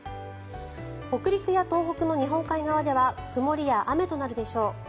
北陸や東北の日本海側では曇りや雨となるでしょう。